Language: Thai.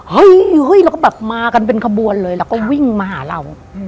เฮ้ยเราก็แบบมากันเป็นขบวนเลยแล้วก็วิ่งมาหาเรา